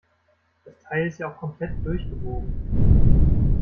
Das Teil ist ja auch komplett durchgebogen.